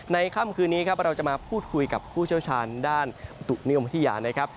ค่ำคืนนี้ครับเราจะมาพูดคุยกับผู้เชี่ยวชาญด้านอุตุนิยมวิทยานะครับ